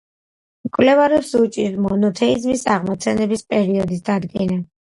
მკვლევარებს უჭირთ მონოთეიზმის აღმოცენების პერიოდის დადგენა.